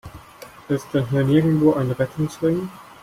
Ist hier denn nirgendwo ein Rettungsring?